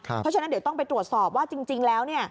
เพราะฉะนั้นเดี๋ยวต้องไปตรวจสอบว่าจริงแล้ว